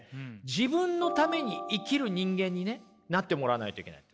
自分のために生きる人間にねなってもらわないといけない。